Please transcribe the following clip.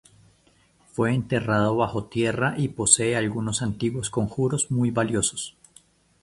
Fue enterrado bajo tierra y posee algunos antiguos conjuros muy valiosos.